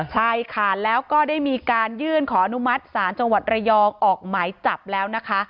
ใช่ค่ะแล้วก็ได้มีการยื่นขออนุมัติศาลจังหวัดระยองออกหมายจับแล้วนะคะ